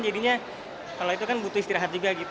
jadinya kalau itu kan butuh istirahat juga gitu